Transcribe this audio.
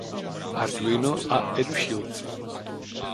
Arduino a EduShield